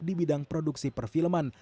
di bidang produksi perfilman